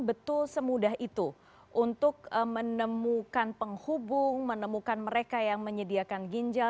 betul semudah itu untuk menemukan penghubung menemukan mereka yang menyediakan ginjal